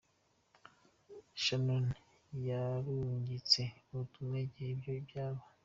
Shannon yarungitse ubutumwa igihe ivyo vyaba.